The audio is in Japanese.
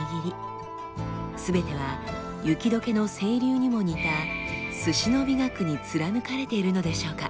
全ては雪解けの清流にも似た鮨の美学に貫かれているのでしょうか？